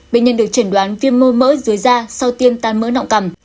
bệnh nhân được chẩn đoán viêm mô mỡ dưới da sau tiêm tan mỡ nọng cầm